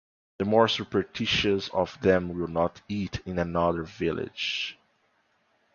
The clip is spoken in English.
The more superstitious of them will not eat in another village.